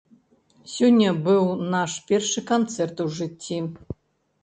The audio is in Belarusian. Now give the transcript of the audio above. Сёння быў наш першы канцэрт ў жыцці.